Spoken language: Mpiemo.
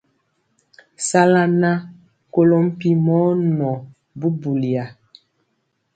Sala nan kolo mpi mɔ nɔɔ bubuliya.